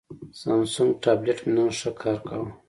سامسنګ ټابلیټ مې نن ښه کار کاوه.